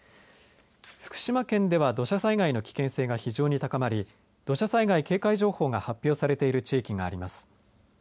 福島県では土砂災害の危険性が非常に高まり土砂災害警戒情報が発表されている地域があります。